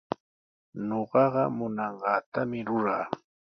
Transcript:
Ñuqaqa munanqaatami ruraa.